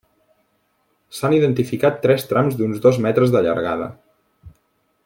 S'han identificat tres trams d'uns dos metres de llargada.